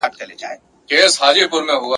د لېوه کور بې هډوکو نه وي ..